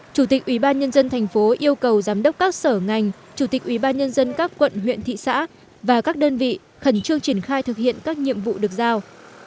chủ tịch ủy ban nhân dân tp yêu cầu giám đốc các sở ngành chủ tịch ủy ban nhân dân các quận huyện thị xã và các đơn vị khẩn trương triển khai thực hiện các nhiệm vụ được giao